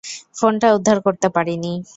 ফোনটা উদ্ধার করতে পারি নি।